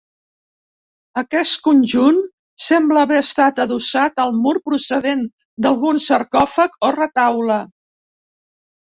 Aquest conjunt sembla haver estat adossat al mur procedent d'algun sarcòfag o retaule.